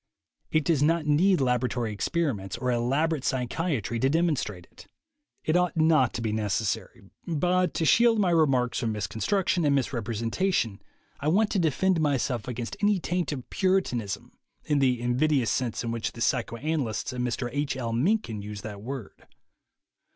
It does not need laboratory 106 THE WAY TO WILL POWER experiments or elaborate psychiatry to demon strate it. It ought not to be necessary, but to shield my remarks from misconstruction and misrepresenta tion, I want to defend myself against any taint of puritanism in the invidious sense in which the psychoanalysts and Mr. H. L. Mencken use that word.